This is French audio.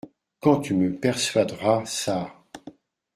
Quand tu me persuaderas ça…